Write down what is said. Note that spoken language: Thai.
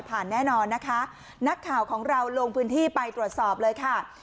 แน่นอนนะคะนักข่าวของเราลงพื้นที่ไปตรวจสอบเลยค่ะ